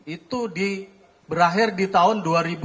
itu berakhir di tahun